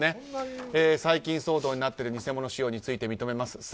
最近、騒動になっている偽物使用について認めます。